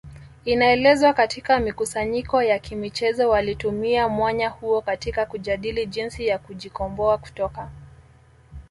Inaelezwa katika mikusanyiko ya kimichezo walitumia mwanya huo katika kujadili jinsi ya kujikomboa kutoka